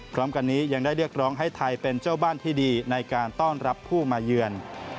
พร้อมกันนี้ยังได้เรียกร้องให้ไทยเป็นเจ้าบ้านที่ดีในการต้อนรับผู้มาเยือน